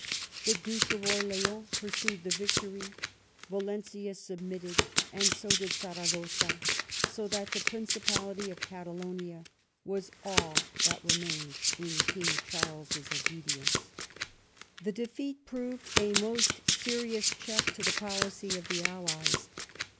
The duke of Orleans pursued the victory; Valencia sub mitted, and so did Saragoza; so that the principality of Catalonia was all that remained in king Charles' obedience." The defeat proved a most serious check to the policy of the allies.